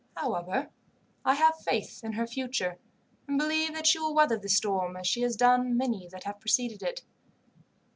However, I have faith in her future, and believe that she will weather the storm, as she has done many that have preceded it.